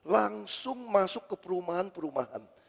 langsung masuk ke perumahan perumahan